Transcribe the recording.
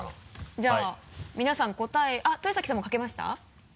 じゃあ皆さん答えあっ豊崎さんも書けました？